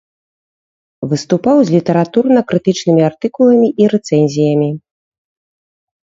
Выступаў з літаратурна-крытычнымі артыкуламі і рэцэнзіямі.